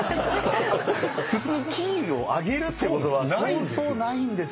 普通キーを上げるってことはそうそうないんです。